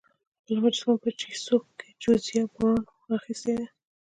بله مجسمه په چیسوک کې جوزیا براون اخیستې ده.